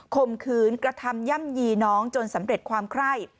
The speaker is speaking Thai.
มขืนกระทำย่ำยีน้องจนสำเร็จความไคร่